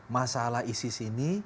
masalah isis ini